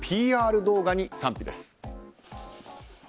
ＰＲ動画に賛否です。